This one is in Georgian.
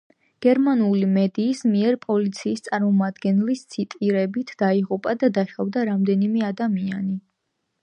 გერმანული მედიის მიერ პოლიციის წარმომადგენლის ციტირებით, დაიღუპა და დაშავდა რამდენიმე ადამიანი.